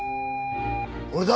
俺だ！